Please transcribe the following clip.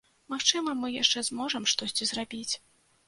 Магчыма, мы яшчэ зможам штосьці зрабіць.